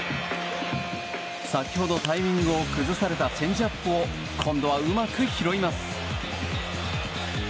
先ほどタイミングを崩されたチェンジアップを今度は、うまく拾います。